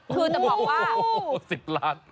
คือจะบอกว่า๑๐ล้าน